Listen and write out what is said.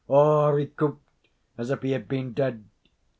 Ower he couped as if he had been dead.